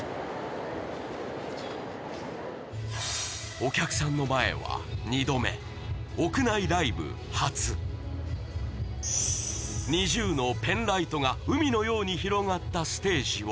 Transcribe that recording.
お客さんの前は２度目 ＮｉｚｉＵ のペンライトが海のように広がったステージを